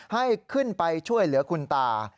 ให้ขึ้นไปช่วยเหลือคุณตา